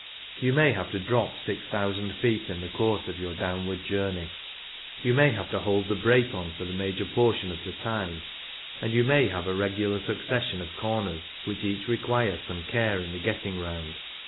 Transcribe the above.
You may have to drop six thousand feet in the course of your down ward journey ; you may have to hold the brake on for the major portion of the time ; and you may have a regular succession of corners which each require some care in the getting round.